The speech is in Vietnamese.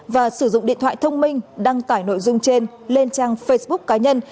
và sử dụng điện thoại thông minh đăng tải nội dung trên lên trang facebook cá nhân